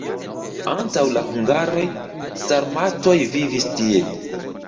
Antaŭ la hungaroj sarmatoj vivis tie.